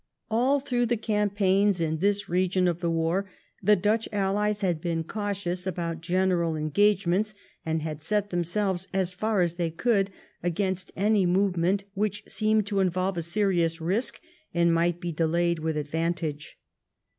All through the campaigns in this region of the war the Dutch allies had been cautious about general engagements, and had set themselves, as far as they could, against any movement which seemed to in volve a serious risk and might be delayed with advantage.